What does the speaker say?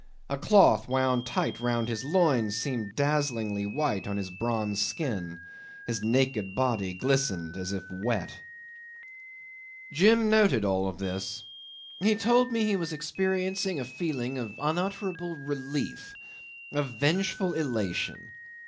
A cloth wound tight round his loins seemed dazzlingly white on his bronze skin; his naked body glistened as if wet. 'Jim noted all this. He told me he was experiencing a feeling of unutterable relief, of vengeful elation.